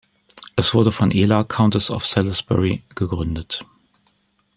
Es wurde von Ela, Countess of Salisbury gegründet.